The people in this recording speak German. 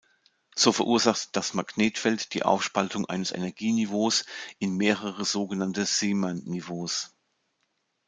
So verursacht das Magnetfeld die Aufspaltung eines Energieniveaus in mehrere sogenannte Zeeman-Niveaus.